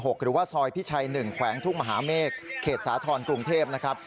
หรือว่าซอยพิชัย๑แขวงทุ่งมหาเมฆเขตสาธรณ์กรุงเทพนะครับ